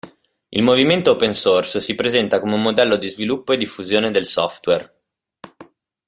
Il movimento Open Source si presenta come un modello di sviluppo e diffusione del software.